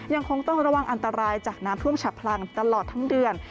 ยังคงต้องระวังอันตรายจากน้ำท่วมฉับพลันตลอดทั้งเดือน